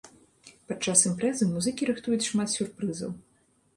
Падчас імпрэзы музыкі рыхтуюць шмат сюрпрызаў.